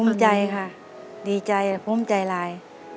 ภูมิใจค่ะดีใจดีใจและภูมิใจลาย